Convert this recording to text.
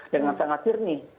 dengan sangat cernih